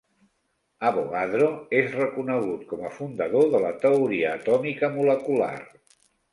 Avogadro és reconegut com a fundador de la teoria atòmica-molecular.